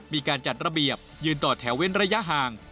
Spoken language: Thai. มีการจัดระเบียบยืนต่อแถวเว้นระยะห่าง